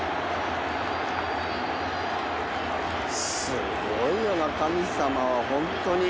すごいよな神様はホントに。